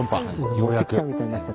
ようやく。